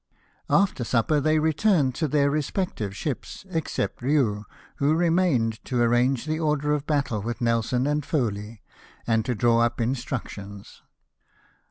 After supper they returned to their respective ships, except Riou, who remained to arrange the order of battle with Nelson and Foley, and to draw up in structions.